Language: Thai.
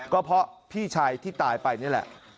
ก็เพราะพี่ชายที่ตายไปนี่แหละ